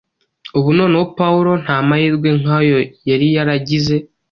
Ubu noneho Pawulo nta mahirwe nk’ayo yari yaragize